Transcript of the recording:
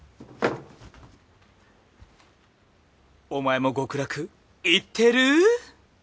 「お前も極楽行ってる？」。